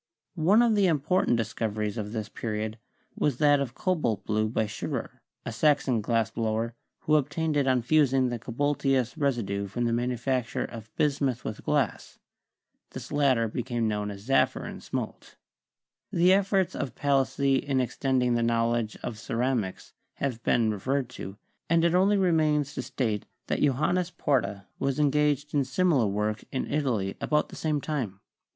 One of the important discoveries of this pe riod was that of cobalt blue by Schiirer, a Saxon glass blower, who obtained it on fusing the cobalteous residue from the manufacture of bismuth with glass; this latter became known as zaffre and smalt. The efforts of Palissy in extending the knowledge of ceramics have been referred to, and it only remains to state that Johannes Porta was engaged in similar work in Italy about the same time.